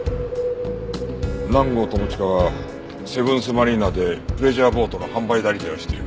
南郷朋親はセブンスマリーナでプレジャーボートの販売代理店をしている。